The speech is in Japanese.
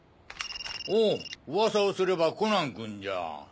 おう噂をすればコナンくんじゃ。